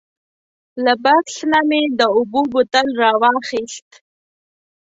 له بکس نه مې د اوبو بوتل راواخیست.